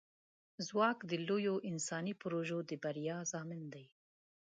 ځواک د لویو انساني پروژو د بریا ضامن دی.